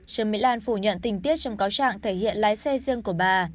trương mỹ lan phủ nhận tình tiết trong cáo trạng thể hiện lái xe riêng của bà